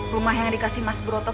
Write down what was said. rumah yang dikasih mas bro tuk